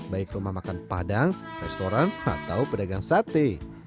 baik rumah makan padang restoran atau pedagang sate